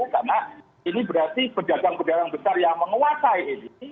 karena ini berarti perdagangan perdagangan besar yang menguasai ini